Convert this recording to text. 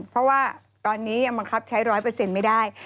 เพราะว่าตอนนี้ยังบังคับใช้ร้อยเปอร์เซ็นต์ไม่ได้